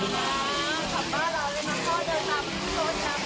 ขอบคุณครับขอบคุณครับขอบคุณครับขอบคุณครับขอบคุณครับ